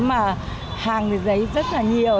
mà hàng giấy rất là nhiều